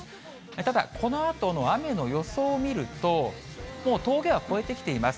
ただ、このあとの雨の予想を見ると、もう峠は越えてきています。